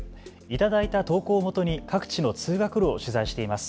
頂いた投稿をもとに各地の通学路を取材しています。